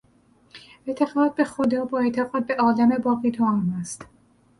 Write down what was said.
اعتقاد به خدا با اعتقاد به عالم باقی توام است.